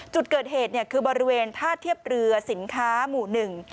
จุดเกิดเหตุเนี่ยคือบริเวณท่าเทียบเรือสินค้าหมู่หนึ่ง